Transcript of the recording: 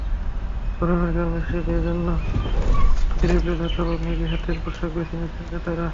গরমের কারণে শিশুদের জন্য স্লিভলেস, অথবা ম্যাগি হাতের পোশাক বেছে নিচ্ছেন ক্রেতারা।